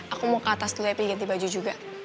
aku mau ke atas dulu ya pilih ganti baju juga